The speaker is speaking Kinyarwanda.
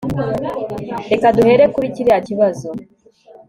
reka duhere kuri kiriya kibazo